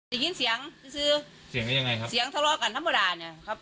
เสียงเสียงก็ยังไงครับเสียงทะเลาะกันธรรมดาเนี่ยครับ